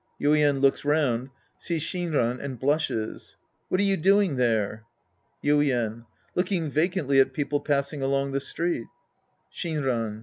(YuiEN looks round, sees Shinran and blushes^ What are you doing there ? Yuien. Looking vacantly at people passing along the street. Shinran.